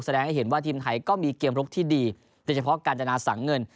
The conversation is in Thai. แสดงให้เห็นว่าทีมไทยก็มีเกมรุกที่ดีโดยเฉพาะการจนาสั่งเงิน